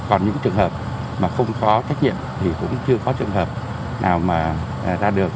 còn những trường hợp mà không có trách nhiệm thì cũng chưa có trường hợp nào mà ra được